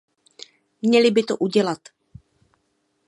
Měly by to udělat.